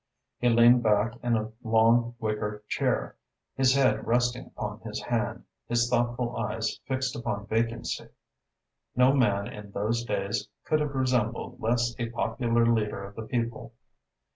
He leaned back in a long wicker chair, his head resting upon his hand, his thoughtful eyes fixed upon vacancy. No man in those days could have resembled less a popular leader of the people.